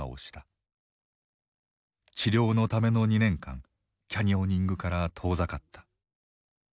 治療のための２年間キャニオニングから遠ざかった。